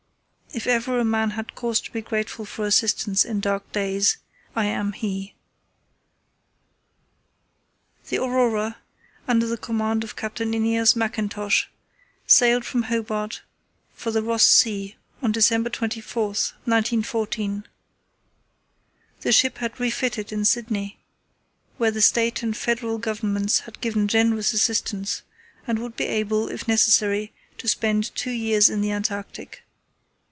If ever a man had cause to be grateful for assistance in dark days, I am he. The Aurora, under the command of Captain Æneas Mackintosh, sailed from Hobart for the Ross Sea on December 24, 1914. The ship had refitted in Sydney, where the State and Federal Governments had given generous assistance, and would be able, if necessary, to spend two years in the Antarctic.